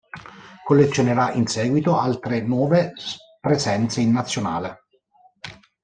Collezionerà in seguito altre nove presenze in nazionale.